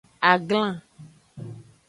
Aglan.